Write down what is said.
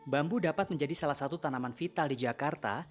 bambu dapat menjadi salah satu tanaman vital di jakarta